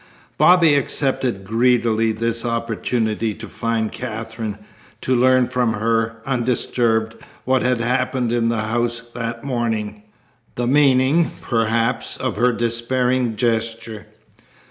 Bobby accepted greedily this opportunity to find Katherine, to learn from her, undisturbed, what had happened in the house that morning, the meaning, perhaps, of her despairing gesture.